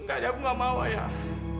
nggak ada apa apa ayah